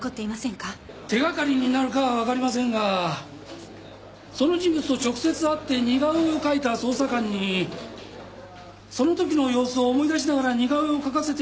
手掛かりになるかはわかりませんがその人物と直接会って似顔絵を描いた捜査官にその時の様子を思い出しながら似顔絵を描かせてみましたので。